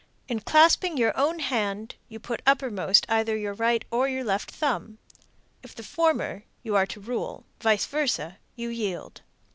In clasping your own hand, you put uppermost either your right or your left thumb. If the former, you are to rule; vice versa, you yield.